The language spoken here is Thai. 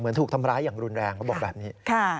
ถูกทำร้ายอย่างรุนแรงเขาบอกแบบนี้